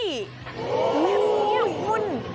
แบบนี้อุ้ยมุ่น